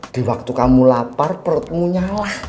di waktu kamu lapar perutmu nyala